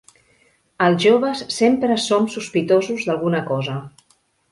Els joves sempre som sospitosos d'alguna cosa.